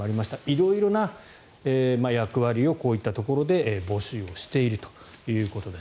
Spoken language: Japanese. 色々な役割をこういったところで募集しているということです。